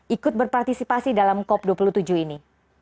ikut berpartisipasi dalam cop dua puluh tujuh ini